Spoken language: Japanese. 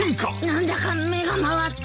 何だか目が回って。